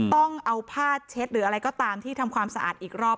ต้องเอาผ้าเช็ดหรืออะไรก็ตามที่ทำความสะอาดอีกรอบ